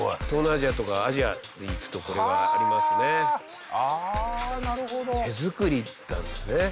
東南アジアとかアジアに行くとこれがありますね。